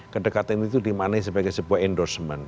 kedekatan itu dimaknai sebagai sebuah endorsement